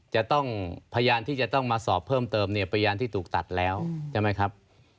จะต้องพยานที่จะต้องมาสอบเพิ่มเติมเนี่ยพยานที่ถูกตัดแล้วใช่ไหมครับ